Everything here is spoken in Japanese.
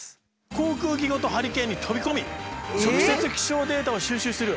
航空機ごとハリケーンに飛び込み直接気象データを収集する。